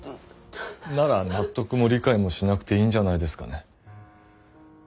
なら納得も理解もしなくていいんじゃないですかね。